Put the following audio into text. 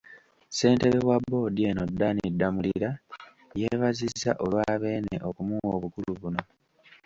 Ssentebe wa boodi eno Dan Damulira, yeebazizza olwa Beene okumuwa obukulu buno.